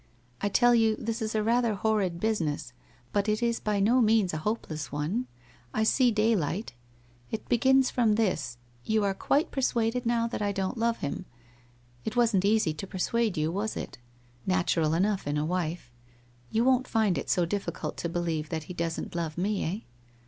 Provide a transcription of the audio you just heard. I tell you, this is a rather horrid business, but it is by no means a hopeless one. I see daylight. It begins from this — you are quite per suaded now that I don't love him. It wasn't easy to per suade you, was it? Natural enough in a wife. You won't find it so difficult to believe that he doesn't love me, eh?